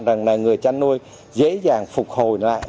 rằng là người chăn nuôi dễ dàng phục hồi lại